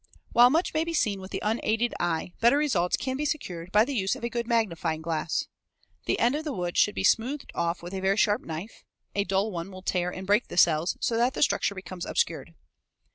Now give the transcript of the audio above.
While much may be seen with the unaided eye, better results can be secured by the use of a good magnifying glass. The end of the wood should be smoothed off with a very sharp knife; a dull one will tear and break the cells so that the structure becomes obscured.